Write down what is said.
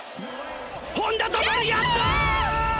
本多灯やったー！